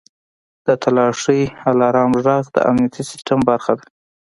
• د تالاشۍ الارم ږغ د امنیتي سیستم برخه ده.